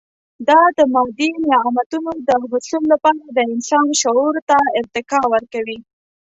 دا د مادي نعمتونو د حصول لپاره د انسان شعور ته ارتقا ورکوي.